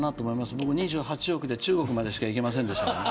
僕、２８億で中国までしか行けませんでしたからね。